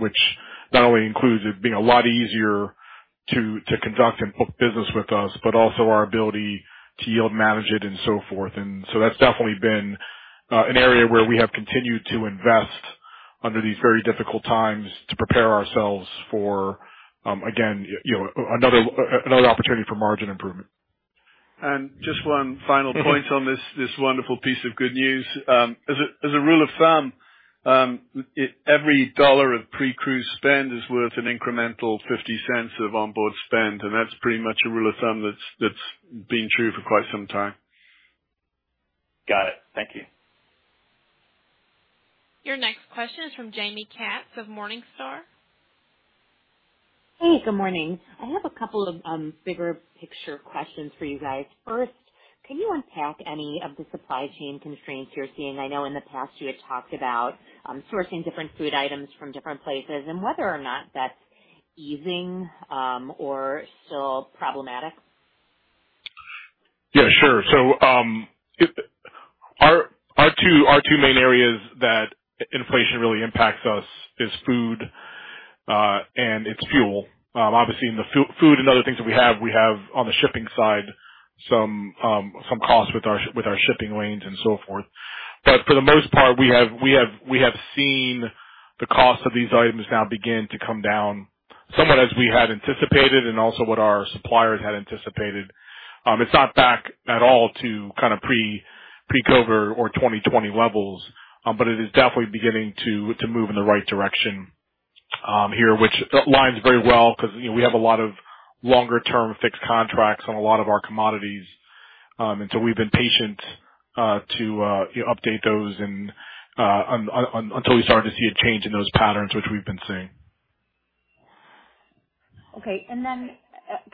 which not only includes it being a lot easier to conduct and book business with us, but also our ability to yield manage it and so forth. That's definitely been an area where we have continued to invest under these very difficult times to prepare ourselves for, again, you know, another opportunity for margin improvement. Just one final point on this wonderful piece of good news. As a rule of thumb, every dollar of pre-cruise spend is worth an incremental $0.50 of onboard spend, and that's pretty much a rule of thumb that's been true for quite some time. Got it. Thank you. Your next question is from Jaime Katz of Morningstar. Hey, good morning. I have a couple of bigger picture questions for you guys. First, can you unpack any of the supply chain constraints you're seeing? I know in the past you had talked about sourcing different food items from different places and whether or not that's easing or still problematic. Yeah, sure. Our two main areas that inflation really impacts us is food and it's fuel. Obviously in the food and other things that we have on the shipping side some costs with our shipping lanes and so forth. For the most part, we have seen the cost of these items now begin to come down somewhat as we had anticipated and also what our suppliers had anticipated. It's not back at all to kind of pre-COVID or 2020 levels, but it is definitely beginning to move in the right direction here, which aligns very well because, you know, we have a lot of longer term fixed contracts on a lot of our commodities. We've been patient to you know update those until we started to see a change in those patterns, which we've been seeing. Okay.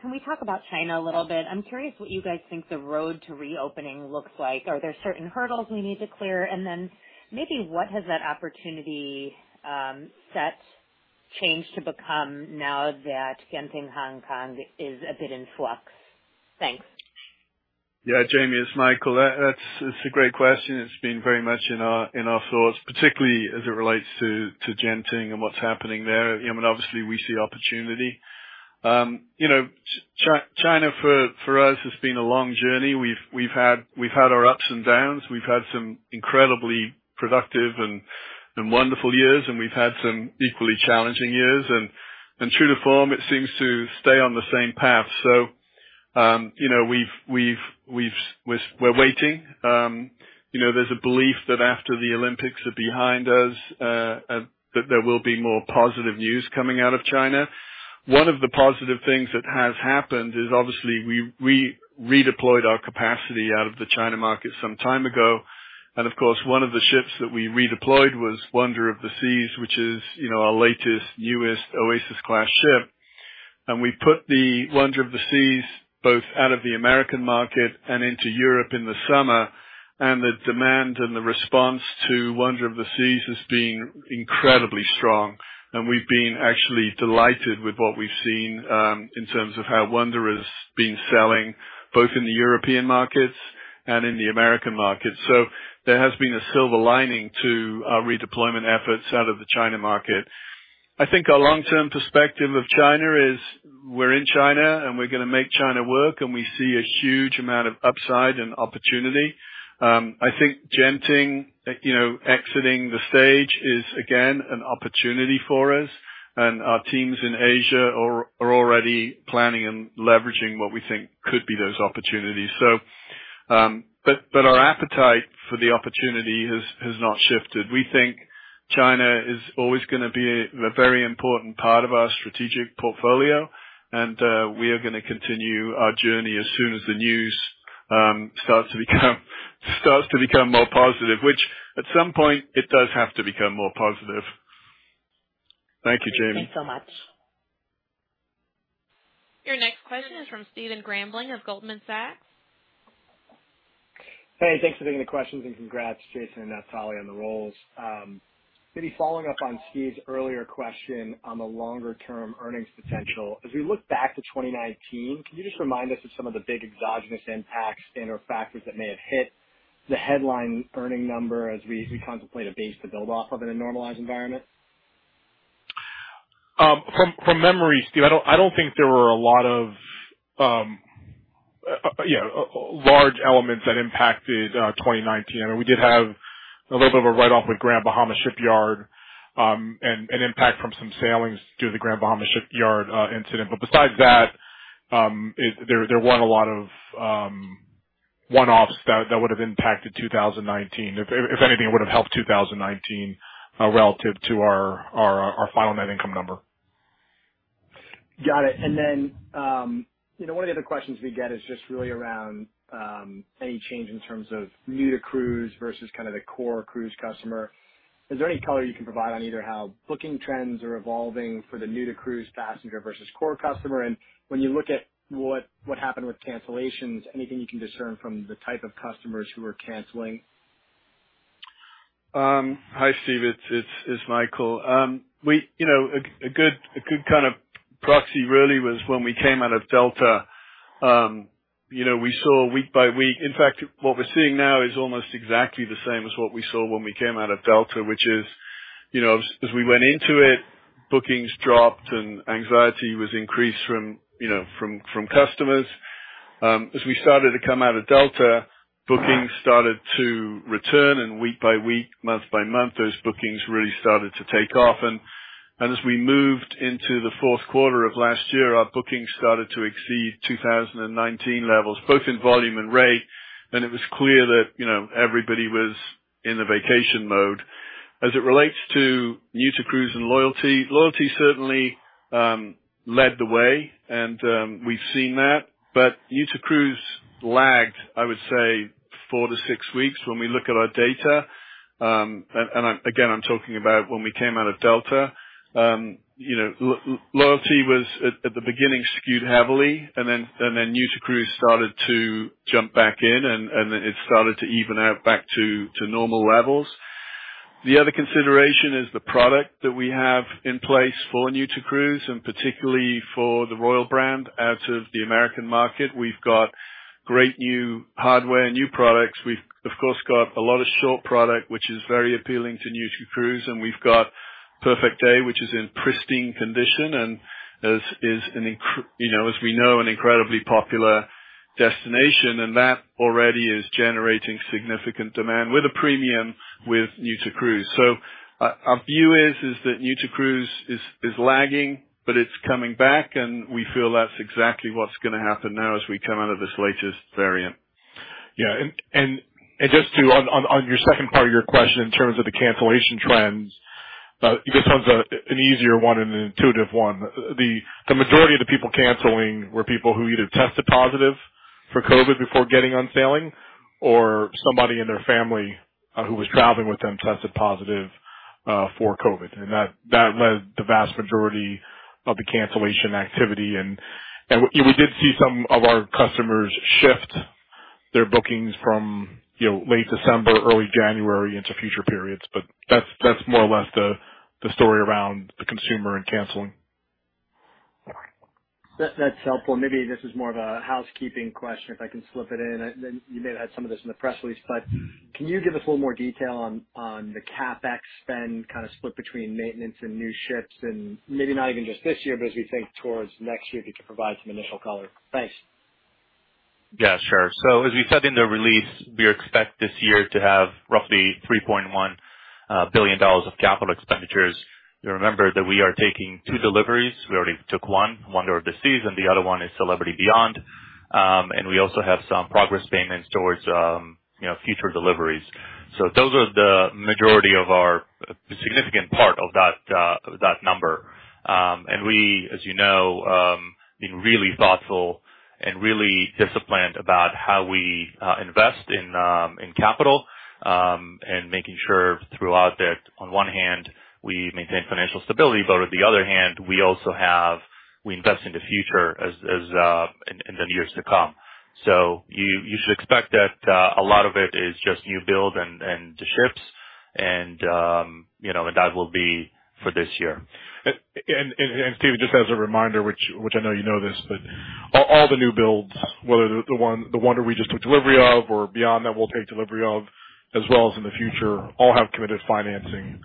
Can we talk about China a little bit? I'm curious what you guys think the road to reopening looks like. Are there certain hurdles we need to clear? Maybe what has that opportunity set changed to become now that Genting Hong Kong is a bit in flux? Thanks. Yeah. Jamie, it's Michael. It's a great question. It's been very much in our thoughts, particularly as it relates to Genting and what's happening there. You know, I mean, obviously we see opportunity. You know, China for us has been a long journey. We've had our ups and downs. We've had some incredibly productive and wonderful years, and we've had some equally challenging years. True to form, it seems to stay on the same path. You know, we're waiting. You know, there's a belief that after the Olympics are behind us, that there will be more positive news coming out of China. One of the positive things that has happened is obviously we redeployed our capacity out of the China market some time ago. Of course, one of the ships that we redeployed was Wonder of the Seas, which is, you know, our latest, newest Oasis Class ship. We put the Wonder of the Seas both out of the American market and into Europe in the summer. The demand and the response to Wonder of the Seas has been incredibly strong. We've been actually delighted with what we've seen in terms of how Wonder has been selling, both in the European markets and in the American market. There has been a silver lining to our redeployment efforts out of the China market. I think our long-term perspective of China is we're in China, and we're gonna make China work, and we see a huge amount of upside and opportunity. I think Genting, you know, exiting the stage is again, an opportunity for us. Our teams in Asia are already planning and leveraging what we think could be those opportunities. But our appetite for the opportunity has not shifted. We think China is always gonna be a very important part of our strategic portfolio, and we are gonna continue our journey as soon as the news starts to become more positive, which at some point it does have to become more positive. Thank you, Jaime. Thanks so much. Your next question is from Stephen Grambling of Goldman Sachs. Hey, thanks for taking the questions and congrats, Jason and Naftali, on the roles. Maybe following up on Steve's earlier question on the longer term earnings potential. As we look back to 2019, can you just remind us of some of the big exogenous impacts and/or factors that may have hit the headline earnings number as we contemplate a base to build off of in a normalized environment? From memory, Steve, I don't think there were a lot of you know large elements that impacted 2019. I mean, we did have a little bit of a write-off with Grand Bahama Shipyard and an impact from some sailings due to the Grand Bahama Shipyard incident. Besides that, there weren't a lot of one-offs that would've impacted 2019. If anything, it would've helped 2019 relative to our final net income number. Got it. You know, one of the other questions we get is just really around any change in terms of new to cruise versus kind of the core cruise customer. Is there any color you can provide on either how booking trends are evolving for the new to cruise passenger versus core customer? When you look at what happened with cancellations, anything you can discern from the type of customers who are canceling? Hi, Steve. It's Michael. You know, a good kind of proxy really was when we came out of Delta. You know, we saw week by week. In fact, what we're seeing now is almost exactly the same as what we saw when we came out of Delta, which is, you know, as we went into it, bookings dropped and anxiety was increased from customers. As we started to come out of Delta, bookings started to return, and week by week, month by month, those bookings really started to take off. As we moved into the fourth quarter of last year, our bookings started to exceed 2019 levels, both in volume and rate. It was clear that, you know, everybody was in the vacation mode. As it relates to new to cruise and loyalty certainly led the way, and we've seen that. New to cruise lagged, I would say, 4-6 weeks when we look at our data. I'm again talking about when we came out of Delta. You know, loyalty was at the beginning skewed heavily, and then new to cruise started to jump back in and it started to even out back to normal levels. The other consideration is the product that we have in place for new to cruise, and particularly for the Royal brand out of the American market. We've got great new hardware, new products. We've of course got a lot of short product, which is very appealing to new to cruise. We've got Perfect Day, which is in pristine condition, and is an incredibly popular destination, you know, as we know, and that already is generating significant demand with a premium with new to cruise. Our view is that new to cruise is lagging, but it's coming back, and we feel that's exactly what's gonna happen now as we come out of this latest variant. Yeah. On your second part of your question in terms of the cancellation trends, this one's an easier one and an intuitive one. The majority of the people canceling were people who either tested positive for COVID before getting on sailing or somebody in their family who was traveling with them tested positive for COVID. That led the vast majority of the cancellation activity. We did see some of our customers shift their bookings from, you know, late December, early January into future periods. That's more or less the story around the consumer and canceling. That's helpful. Maybe this is more of a housekeeping question, if I can slip it in. You may have had some of this in the press release. Can you give us a little more detail on the CapEx spend, kind of split between maintenance and new ships? Maybe not even just this year, but as we think towards next year, if you could provide some initial color. Thanks. Yeah, sure. As we said in the release, we expect this year to have roughly $3.1 billion of capital expenditures. You remember that we are taking two deliveries. We already took one, Wonder of the Seas, and the other one is Celebrity Beyond. And we also have some progress payments towards, you know, future deliveries. Those are the majority of our significant part of that number. And we, as you know, being really thoughtful and really disciplined about how we invest in capital, and making sure throughout that on one hand we maintain financial stability, but on the other hand we also invest in the future as in the years to come. You should expect that a lot of it is just new build and the ships and, you know, and that will be for this year. Stephen, just as a reminder, which I know you know this, but all the new builds, whether the one that we just took delivery of or beyond that we'll take delivery of, as well as in the future, all have committed financing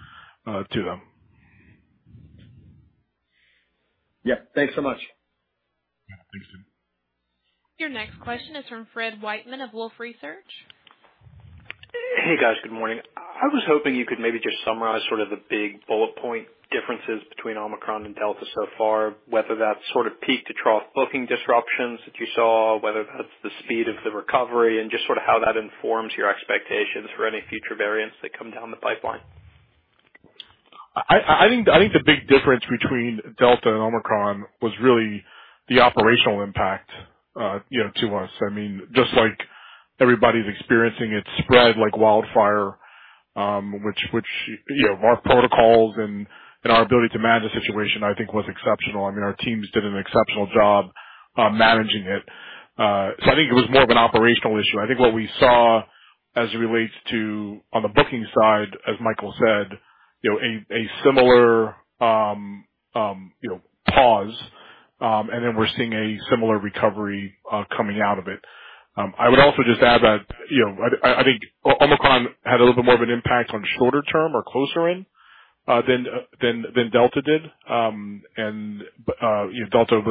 to them. Yeah. Thanks so much. Yeah. Thanks, Stephen. Your next question is from Fred Whiteman of Wolfe Research. Hey, guys. Good morning. I was hoping you could maybe just summarize sort of the big bullet point differences between Omicron and Delta so far, whether that's sort of peak to trough booking disruptions that you saw, whether that's the speed of the recovery, and just sort of how that informs your expectations for any future variants that come down the pipeline? I think the big difference between Delta and Omicron was really the operational impact to us. I mean, just like everybody's experiencing it spread like wildfire, which you know, our protocols and our ability to manage the situation, I think was exceptional. I mean, our teams did an exceptional job managing it. I think it was more of an operational issue. I think what we saw as it relates to on the booking side, as Michael said, you know, a similar you know, pause, and then we're seeing a similar recovery coming out of it. I would also just add that, you know, I think Omicron had a little bit more of an impact on shorter term or closer in than Delta did. you know, Delta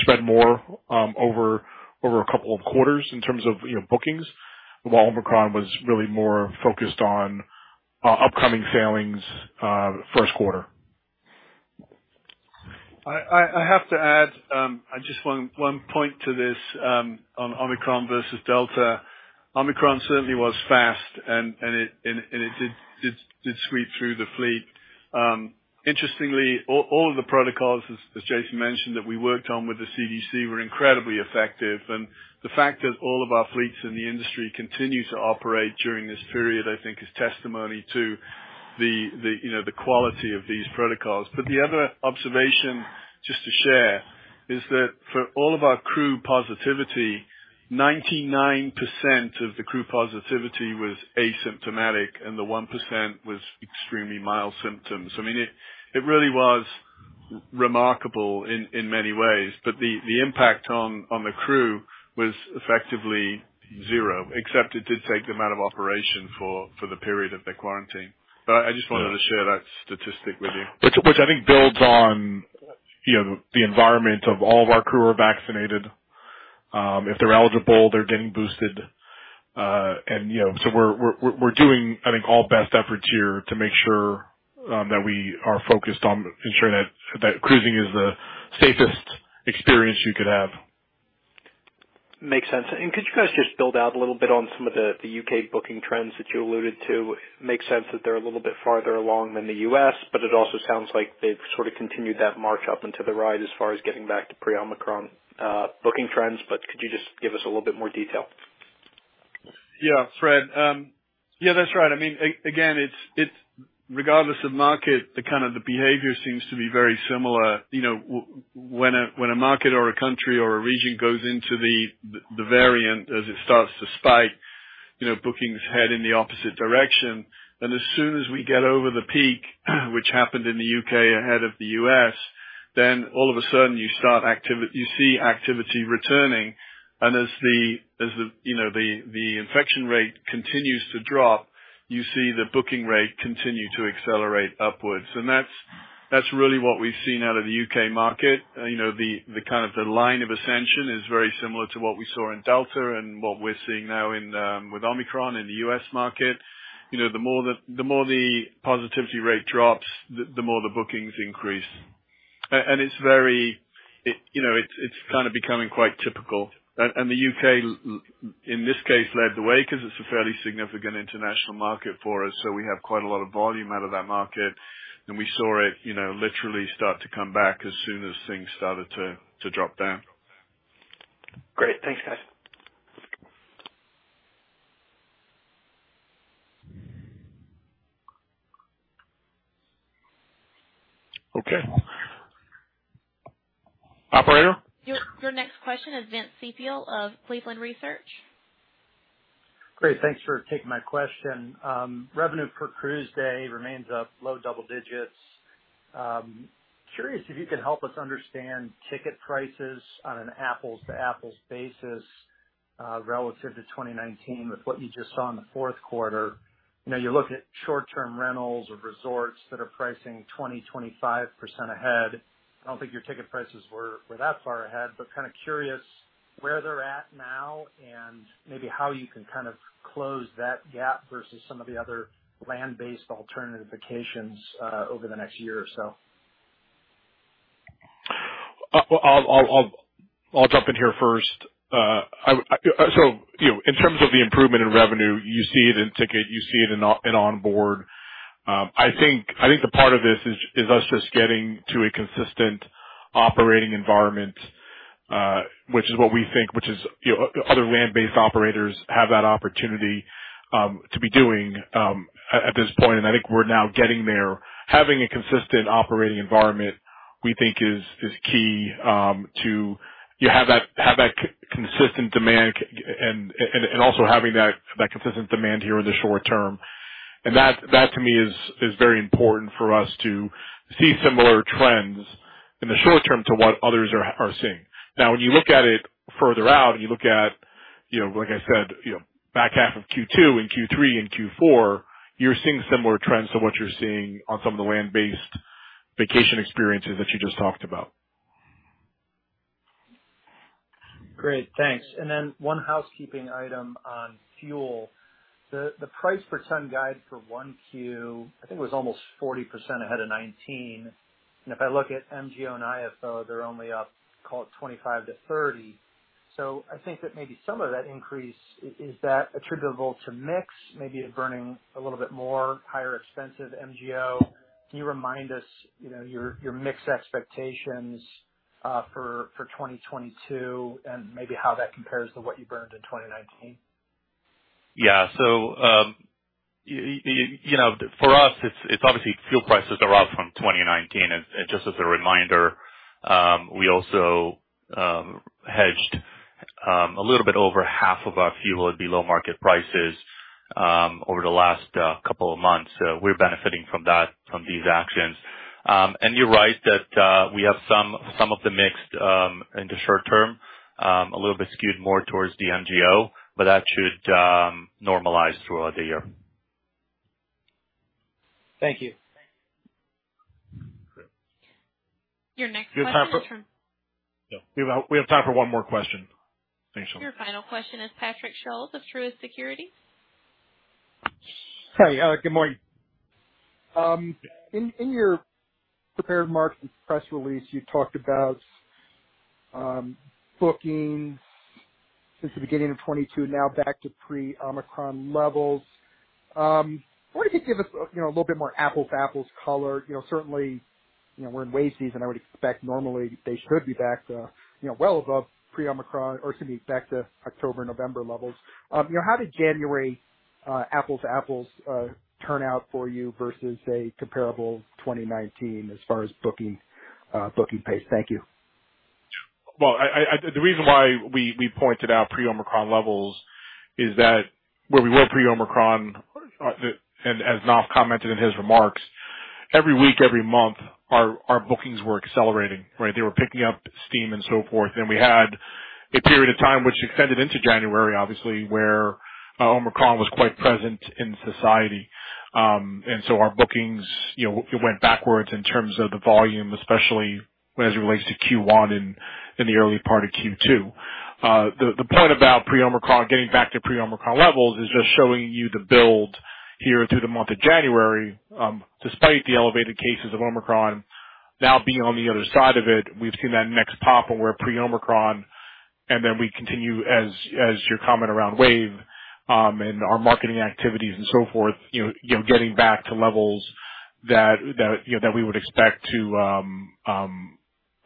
spread more over a couple of quarters in terms of, you know, bookings. While Omicron was really more focused on upcoming sailings, first quarter. I have to add just one point to this on Omicron versus Delta. Omicron certainly was fast and it did sweep through the fleet. Interestingly, all of the protocols, as Jason mentioned, that we worked on with the CDC were incredibly effective. The fact that all of our fleets in the industry continue to operate during this period, I think is testimony to the, you know, the quality of these protocols. The other observation, just to share, is that for all of our crew positivity, 99% of the crew positivity was asymptomatic and the 1% was extremely mild symptoms. I mean, it really was remarkable in many ways, but the impact on the crew was effectively zero, except it did take them out of operation for the period of their quarantine. I just wanted to share that statistic with you. Which I think builds on, you know, the environment of all of our crew are vaccinated. If they're eligible, they're getting boosted. You know, so we're doing, I think, all best efforts here to make sure that we are focused on ensuring that cruising is the safest experience you could have. Makes sense. Could you guys just build out a little bit on some of the U.K. booking trends that you alluded to? Makes sense that they're a little bit farther along than the U.S., but it also sounds like they've sort of continued that march up into the right as far as getting back to pre-Omicron booking trends. Could you just give us a little bit more detail? Yeah, Fred. Yeah, that's right. I mean, again, it's regardless of market, the kind of behavior seems to be very similar. You know, when a market or a country or a region goes into the variant, as it starts to spike, you know, bookings head in the opposite direction. As soon as we get over the peak, which happened in the U.K. ahead of the U.S., then all of a sudden you see activity returning. As you know, the infection rate continues to drop, you see the booking rate continue to accelerate upwards. That's really what we've seen out of the U.K. market. You know, the line of infection is very similar to what we saw in Delta and what we're seeing now with Omicron in the U.S. market. You know, the more the positivity rate drops, the more the bookings increase. It's very, you know, it's kinda becoming quite typical. The U.K. in this case led the way 'cause it's a fairly significant international market for us, so we have quite a lot of volume out of that market. We saw it, you know, literally start to come back as soon as things started to drop down. Great. Thanks, guys. Okay. Operator? Your next question is Vince Ciepiel of CleveLand Research Company. Great. Thanks for taking my question. Revenue per cruise day remains up low double digits. Curious if you could help us understand ticket prices on an apples-to-apples basis. Relative to 2019, with what you just saw in the fourth quarter, you know, you look at short-term rentals or resorts that are pricing 20%-25% ahead. I don't think your ticket prices were that far ahead, but kind of curious where they're at now and maybe how you can kind of close that gap versus some of the other land-based alternative vacations over the next year or so. I'll jump in here first. You know, in terms of the improvement in revenue, you see it in ticket, you see it in onboard. I think the part of this is us just getting to a consistent operating environment, which is what we think, you know, other land-based operators have that opportunity to be doing at this point. I think we're now getting there. Having a consistent operating environment, we think is key to having that consistent demand and also having that consistent demand here in the short term. That to me is very important for us to see similar trends in the short term to what others are seeing. Now, when you look at it further out and you look at, you know, like I said, you know, back half of Q2 and Q3 and Q4, you're seeing similar trends to what you're seeing on some of the land-based vacation experiences that you just talked about. Great. Thanks. Then one housekeeping item on fuel. The price per ton guide for 1Q, I think was almost 40% ahead of 2019. If I look at MGO and IFO, they're only up, call it, 25%-30%. I think that maybe some of that increase is that attributable to mix. Maybe you're burning a little bit more higher expensive MGO. Can you remind us, you know, your mix expectations for 2022 and maybe how that compares to what you burned in 2019? Yeah. You know, for us, it's obviously fuel prices are up from 2019. Just as a reminder, we also hedged a little bit over half of our fuel at below market prices over the last couple of months. We're benefiting from that, from these actions. You're right that we have some of the mix in the short term a little bit skewed more towards the MGO, but that should normalize throughout the year. Thank you. Your next question. We have time for. Sorry. Yeah. We have time for one more question. Thanks, Shelby. Your final question is Patrick Scholes of Truist Securities. Hi. Good morning. In your prepared market press release, you talked about bookings since the beginning of 2022, now back to pre-Omicron levels. I wonder if you could give us, you know, a little bit more apples-to-apples color. You know, certainly, you know, we're in wave season. I would expect normally they should be back to, you know, well above pre-Omicron or excuse me, back to October, November levels. You know, how did January apples to apples turn out for you versus a comparable 2019 as far as booking pace? Thank you. The reason why we pointed out pre-Omicron levels is that where we were pre-Omicron, and as Naf commented in his remarks, every week, every month, our bookings were accelerating, right? They were picking up steam and so forth. Then we had a period of time which extended into January, obviously, where Omicron was quite present in society. Our bookings, you know, it went backwards in terms of the volume, especially as it relates to Q1 and the early part of Q2. The point about pre-Omicron getting back to pre-Omicron levels is just showing you the build here through the month of January, despite the elevated cases of Omicron. Now being on the other side of it, we've seen that next pop where we're pre-Omicron, and then we continue as your comment around wave, and our marketing activities and so forth, you know, getting back to levels that you know that we would expect to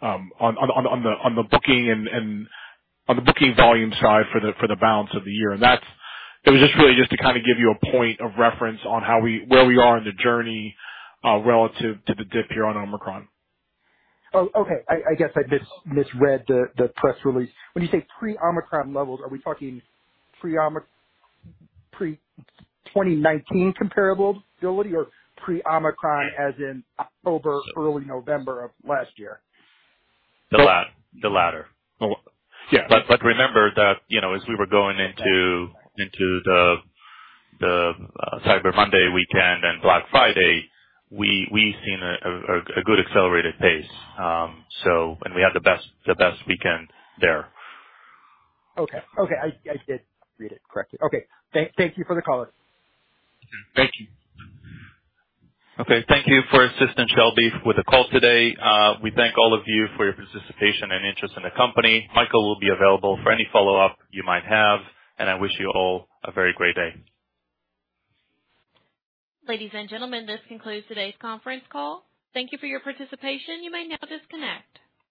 on the booking volume side for the balance of the year. That was just really just to kind of give you a point of reference on where we are in the journey, relative to the dip here on Omicron. Oh, okay. I guess I misread the press release. When you say pre-Omicron levels, are we talking pre-2019 comparability or pre-Omicron as in October, early November of last year? The latter. The la- Remember that, you know, as we were going into the Cyber Monday weekend and Black Friday, we've seen a good accelerated pace. We had the best weekend there. Okay. I did read it correctly. Okay. Thank you for the color. Thank you. Okay. Thank you for your assistance, Shelby, with the call today. We thank all of you for your participation and interest in the company. Michael will be available for any follow-up you might have, and I wish you all a very great day. Ladies and gentlemen, this concludes today's conference call. Thank you for your participation. You may now disconnect.